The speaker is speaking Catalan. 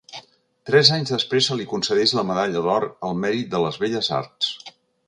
Tres anys després se li concedeix la Medalla d'Or al Mèrit en les Belles arts.